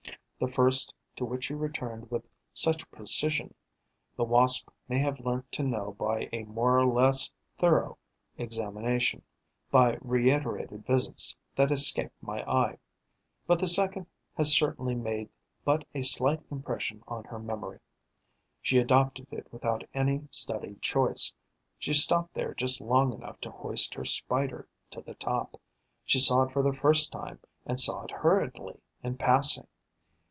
The first, to which she returned with such precision, the Wasp may have learnt to know by a more or less thorough examination, by reiterated visits that escaped my eye; but the second has certainly made but a slight impression on her memory. She adopted it without any studied choice; she stopped there just long enough to hoist her Spider to the top; she saw it for the first time and saw it hurriedly, in passing.